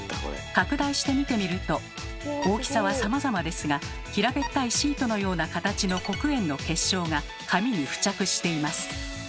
拡大して見てみると大きさはさまざまですが平べったいシートのような形の黒鉛の結晶が紙に付着しています。